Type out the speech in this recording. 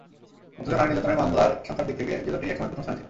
অথচ নারী নির্যাতনের মামলার সংখ্যার দিক থেকে জেলাটি একসময় প্রথম স্থানে ছিল।